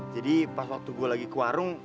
jadi pas waktu gue lagi ke warung